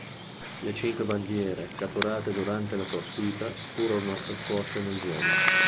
Le cinque bandiere catturate durante la sortita furono esposte nel Duomo.